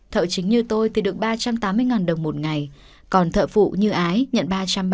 thợ chính như tôi thì được ba trăm tám mươi đồng một ngày còn thợ phụ như ái nhận ba trăm ba mươi